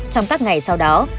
trong các ngày sau đó